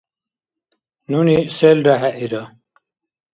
Нуни селра хӀеира.